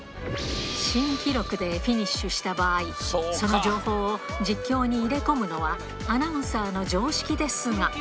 新記録でフィニッシュした場合、その情報を実況に入れ込むのは、アナウンサーの常識ですが。